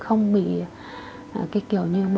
không bị cái kiểu như